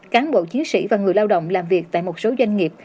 cán bộ chiến sĩ và người lao động làm việc tại một số doanh nghiệp